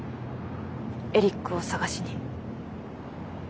エリックを捜しに。